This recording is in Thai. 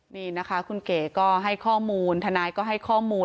นี่นะคะคุณเก๋ก็ให้ข้อมูลทนายก็ให้ข้อมูล